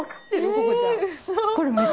ここちゃん。